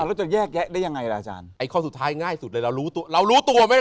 แล้วจะแยกแยะได้ยังไงล่ะอาจารย์ไอ้ข้อสุดท้ายง่ายสุดเลยเรารู้ตัวเรารู้ตัวไหม